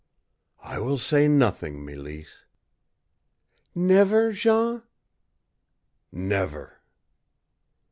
"I will say nothing, Mélisse." "Never, Jean?" "Never."